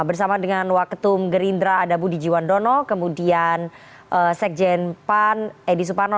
bersama dengan waketum gerindra ada budi jiwandono kemudian sekjen pan edi suparno